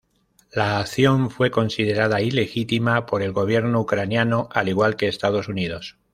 La acción fue considerada ilegítima por el gobierno ucraniano, al igual que Estados Unidos.